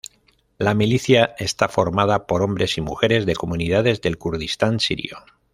La milicia está formada por hombres y mujeres de comunidades del Kurdistán sirio.